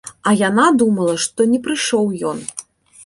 А яна думала, што не прыйшоў ён.